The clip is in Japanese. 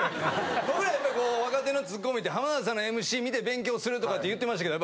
僕らやっぱりこう若手のツッコミって浜田さんのＭＣ見て勉強するとかって言ってましたけど。